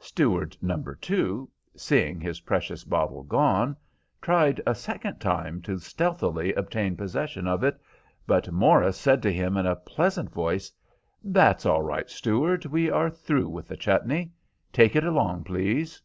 Steward number two, seeing his precious bottle gone, tried a second time to stealthily obtain possession of it, but Morris said to him in a pleasant voice, "That's all right, steward, we are through with the chutney. Take it along, please.